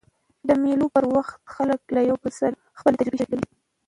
د مېلو پر وخت خلک له یو بل سره خپلي تجربې شریکوي.